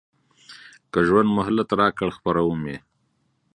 که ژوند مهلت راکړ خپروم یې.